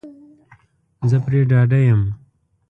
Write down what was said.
زه پری ډاډه یم